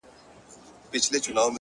o د نيمي شپې د خاموشۍ د فضا واړه ستـوري؛